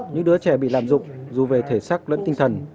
những đứa trẻ bị lạm dụng dù về thể sắc lẫn tinh thần